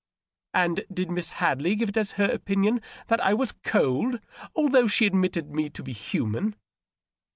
" And did Miss Hadley give it as her opinion that I was cold, although she admitted me to be human